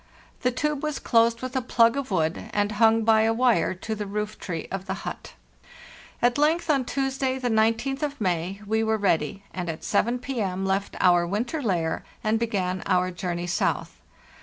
The tube was closed with a plug of wood and hung by a wire to the roof tree of the hut. At length, on Tuesday, the 19th of May, we were ready, and at 7 p.. left our winter lair and began our journey south.